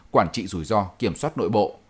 quản trị rủi ro kiểm soát nội bộ